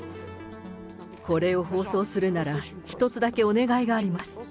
これを放送するなら、一つだけお願いがあります。